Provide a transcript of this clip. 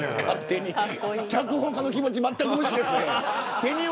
脚本家の気持ちはまったく無視ですね。